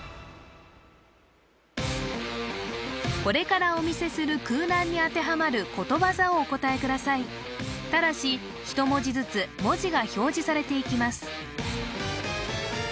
これからお見せする空欄に当てはまることわざをお答えくださいただし１文字ずつ文字が表示されていきます